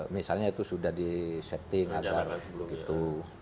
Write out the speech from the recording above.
misalnya itu sudah disetting agar gitu